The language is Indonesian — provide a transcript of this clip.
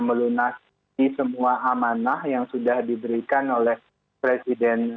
melunasi semua amanah yang sudah diberikan oleh presiden